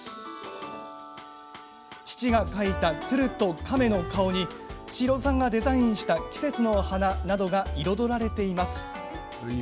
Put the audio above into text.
父が描いた鶴と亀の顔に千尋さんがデザインした季節の花などが彩られています。